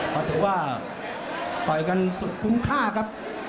เพราะถือว่าต่อยกันสุดคุ้มค่าครับ